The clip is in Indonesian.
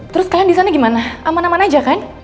terus kalian disana gimana aman aman aja kan